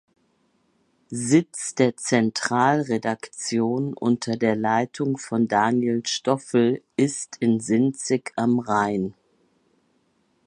Sitz der Zentralredaktion unter der Leitung von Daniel Stoffel ist in Sinzig am Rhein.